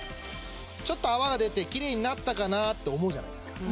ちょっと泡が出て「キレイになったかな」って思うじゃないですか。